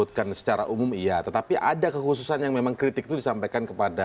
terima kasih pak